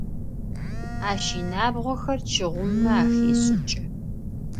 Ащ инабгъохэр чы гъумымэ ахешӏыкӏы.